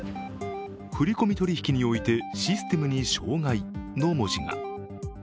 振込取引においてシステムに障害の文字が。